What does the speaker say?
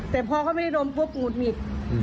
แต่พอเขาไม่ได้ดมปุ๊บหงุดหงิด